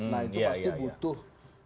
nah itu pasti butuh